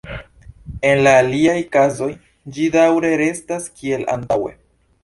En la aliaj kazoj ĝi daŭre restas kiel antaŭe.